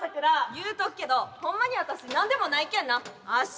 言うとくけどホンマに私何でもないけんなアッシュ先輩。